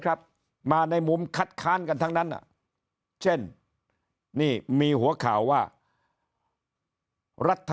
ครับมาในมุมคัดค้านกันทั้งนั้นเช่นนี่มีหัวข่าวว่ารัฐ